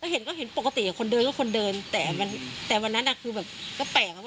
เห็นก็เห็นปกติคนเดินก็คนเดินแต่วันนั้นคือแบบก็แปลกนะ